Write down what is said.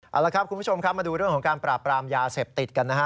เอาละครับคุณผู้ชมครับมาดูเรื่องของการปราบปรามยาเสพติดกันนะฮะ